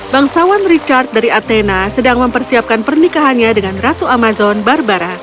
bangsawan richard dari athena sedang mempersiapkan pernikahannya dengan ratu amazon barbara